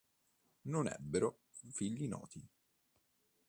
Non ebbero figli noti.